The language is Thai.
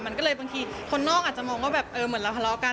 มันก็เลยบางทีคนนอกอาจจะมองว่าแบบเออเหมือนเราทะเลาะกัน